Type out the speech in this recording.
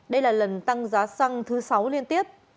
đây là lần tăng giá xăng thứ sáu liên tiếp